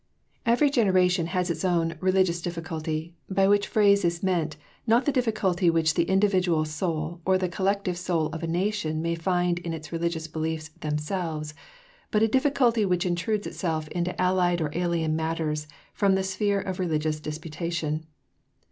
Every generation has its own "religious difficulty," by which phrase is meant, not the difficulty which the individual soul or the collective soul of a nation may find in its religious beliefs themselves, but a difficulty which intrudes itself into allied or alien matters from the sphere of religious disputation.